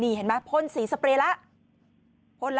นี่เห็นไหมพ่นสีสเปรย์แล้ว